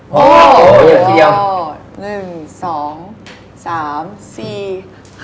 โหอยู่ทีเดียว